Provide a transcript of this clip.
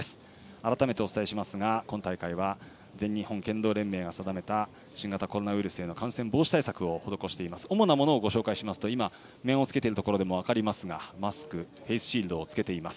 改めてお伝えしますが今大会は全日本剣道連盟が定めた新型コロナウイルスへの感染防止対策を施しています主なものをご紹介しますと面を着けているところでも分かりますがマスク、フェースシールドを着けています。